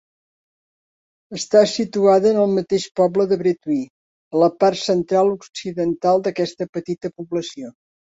Està situada en el mateix poble de Bretui, a la part central-occidental d'aquesta petita població.